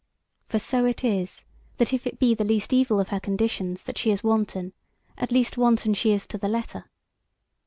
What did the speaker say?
For so it is, that if it be the least evil of her conditions that she is wanton, at least wanton she is to the letter.